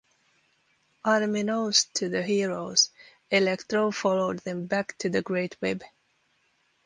Unbeknownst to the heroes, Electro followed them back to the Great Web.